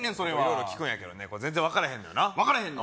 色々聞くんやけど全然分からへんのよな分からへんの？